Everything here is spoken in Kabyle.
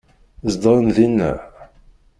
Zedɣen dinna.